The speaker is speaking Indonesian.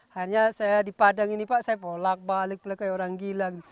hanya saya di padang ini pak saya bolak balik kayak orang gila gitu